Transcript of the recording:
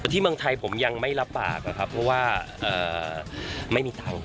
ที่เมืองไทยผมยังไม่รับปากนะครับเพราะว่าไม่มีตังค์